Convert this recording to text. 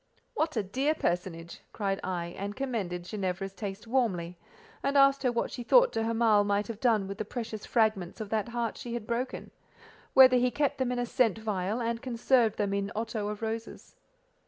"What, a dear personage!" cried I, and commended Ginevra's taste warmly; and asked her what she thought de Hamal might have done with the precious fragments of that heart she had broken—whether he kept them in a scent vial, and conserved them in otto of roses?